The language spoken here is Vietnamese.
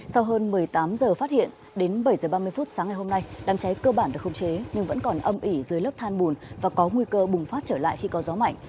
sau hơn một mươi tám giờ phát hiện đến bảy h ba mươi phút sáng ngày hôm nay đám cháy cơ bản được không chế nhưng vẫn còn âm ỉ dưới lớp than bùn và có nguy cơ bùng phát trở lại khi có gió mạnh